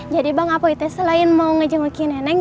jadi bang apoi teh selain mau ngejengukin neneng